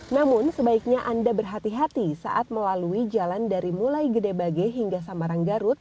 namun sebaiknya anda berhati hati saat melalui jalan dari mulai gede bage hingga samarang garut